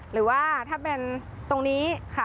หรือว่าถ้าเป็นตรงนี้ค่ะ